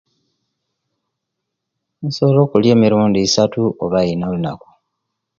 Insobola okuliya emirundi isatu oba ina olunaku